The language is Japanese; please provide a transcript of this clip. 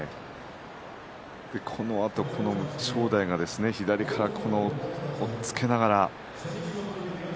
そのあと正代が左から押っつけながら。